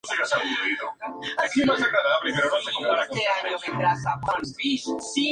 Tuvo como director a Regis Cardoso y bajo la supervisión de Daniel Filho.